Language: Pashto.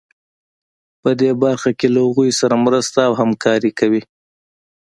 په دې برخه کې له هغوی سره مرسته او همکاري کوي.